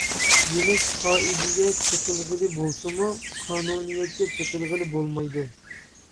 دېمەك قائىدىگە چېقىلغىلى بولسىمۇ، قانۇنىيەتكە چېقىلغىلى بولمايدۇ.